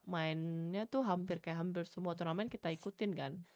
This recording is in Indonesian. mainnya tuh hampir kayak hampir semua turnamen kita ikutin kan